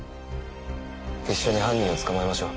一緒に犯人を捕まえましょう。